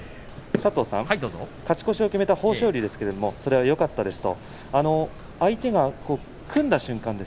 勝ち越しを決めた豊昇龍ですけれどもそれはよかったですと相手が組んだ瞬間